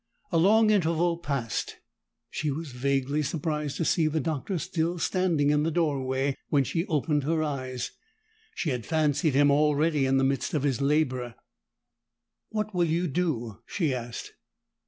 A long interval passed; she was vaguely surprised to see the Doctor still standing in the doorway when she opened her eyes. She had fancied him already in the midst of his labor. "What will you do?" she asked.